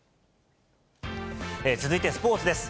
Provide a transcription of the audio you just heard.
続いてスポーツです。